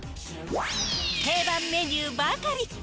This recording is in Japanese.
定番メニューばかり。